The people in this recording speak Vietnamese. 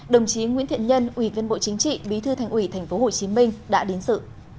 đồng chí nguyễn thiện nhân ủy viên bộ chính trị bí thư thành ủy tp hcm đã đến dự